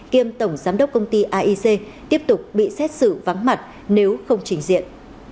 kiêm tổng giám đốc công ty aic tiếp tục bị xét xử vắng mặt nếu không trình diện